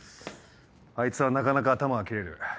あいつはなかなか頭が切れる。